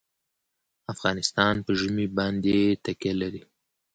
افغانستان په ژمی باندې تکیه لري.